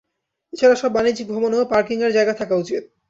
এ ছাড়া সব বাণিজ্যিক ভবনেও পার্কিংয়ের জায়গা থাকা উচিত।